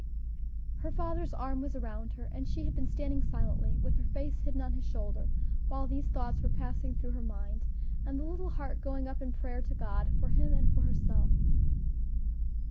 Her father's arm was around her, and she had been standing silently, with her face hidden on his shoulder, while these thoughts were passing through her mind, and the little heart going up in prayer to God for him and for herself.